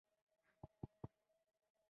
شلي امریکا ته تبعید کړل شول.